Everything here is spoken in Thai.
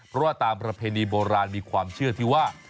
เพราะว่าตามประเพณีโบราณมีความเชื่อที่ว่า